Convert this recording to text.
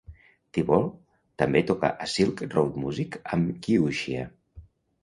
Thibault també toca a Silk Road Music amb Qiuxia.